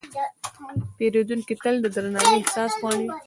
پیرودونکی تل د درناوي احساس غواړي.